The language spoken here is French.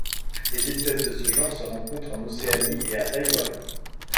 Les espèces de ce genre se rencontrent en Océanie et à Taïwan.